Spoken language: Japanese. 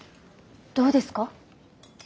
どうですか？